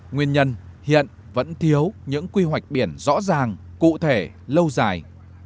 nguyên nhân hiện vẫn thiếu những quy hoạch biển rõ ràng cụ thể lâu dài